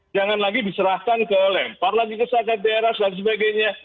jangan lagi diserahkan ke lempar lagi ke satgas tera dan sebagainya